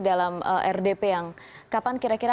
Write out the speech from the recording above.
dalam rdp yang kapan kira kira